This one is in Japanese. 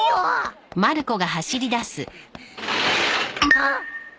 あっ！